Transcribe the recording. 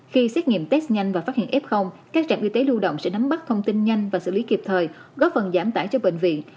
khi xét nghiệm test nhanh và phát hiện f các trạm y tế lưu động sẽ nắm bắt thông tin nhanh và xử lý kịp thời góp phần giảm tải cho bệnh viện